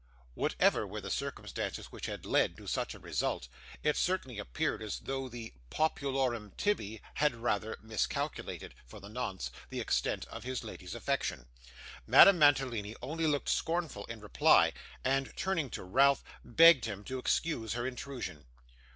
Whatever were the circumstances which had led to such a result, it certainly appeared as though the popolorum tibby had rather miscalculated, for the nonce, the extent of his lady's affection. Madame Mantalini only looked scornful in reply; and, turning to Ralph, begged him to excuse her intrusion.